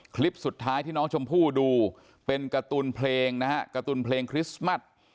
คลิปสุดท้ายที่น้องชมพู่ดูเป็นการ์ตูนเพลงนะฮะการ์ตูนเพลงคริสต์มัส